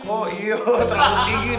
oh iya terlalu tinggi neng